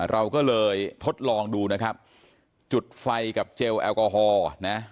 เราก็เลยทดลองดูนะครับจุดไฟกับเจลแอลกอฮอล์นะ